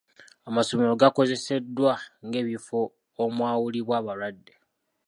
Amasomero gakozeseddwa ng'ebifo omwawulibwa abalwadde.